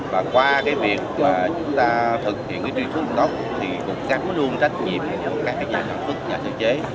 và qua việc chúng ta thực hiện truy xuất nguồn gốc thì cũng sẵn luôn trách nhiệm các nhà sản phẩm nhà sử chế